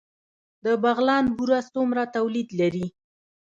د بغلان بوره څومره تولید لري؟